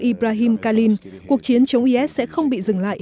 ibrahim kalin cuộc chiến chống is sẽ không bị dừng lại